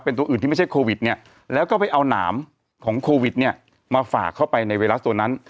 เป็นตัวอื่นที่ไม่ใช่โควิดเนี่ยแล้วก็ไปเอาหนามของโควิดเนี่ยมาฝากเข้าไปในไวรัสตัวนั้น